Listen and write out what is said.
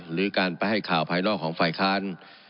หรือการไปให้ข่าวภายนอกของฝ่ายค้าน